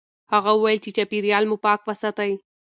هغه وویل چې چاپیریال مو پاک وساتئ.